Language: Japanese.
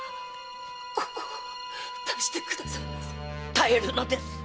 耐えるのです！